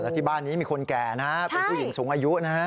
ที่บ้านนี้มีคนแก่นะเป็นผู้หญิงสูงอายุนะฮะ